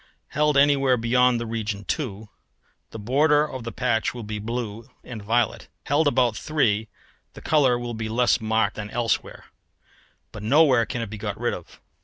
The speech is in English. Held anywhere beyond the region 2, the border of the patch will be blue and violet. Held about 3 the colour will be less marked than elsewhere, but nowhere can it be got rid of.